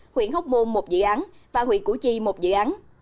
huyện hóc môn một dự án và huyện củ chi một dự án